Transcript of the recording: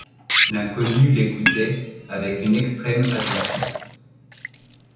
L’inconnu l’écoutait avec une extrême attention.